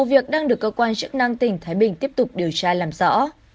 vụ việc đang được cơ quan chức năng tỉnh thái bình tiếp tục điều tra làm rõ